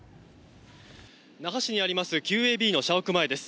那覇市にありますＱＡＢの社屋前です。